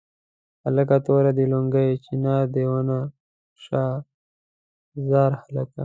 هلکه توره دې لونګۍ چنار دې ونه شاه زار هلکه.